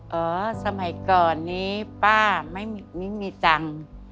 สมัยก่อนนี้ป้าไม่มีตังค์